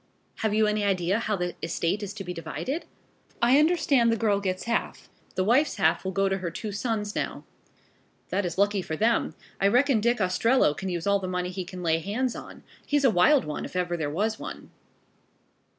"Have you any idea how the estate is to be divided?" "I understand the girl gets half. The wife's half will go to her two sons now." "That is lucky for them. I reckon Dick Ostrello can use all the money he can lay hands on. He's a wild one, if ever there was one."